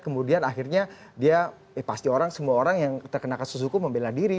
kemudian akhirnya dia pasti orang semua orang yang terkena kasus hukum membela diri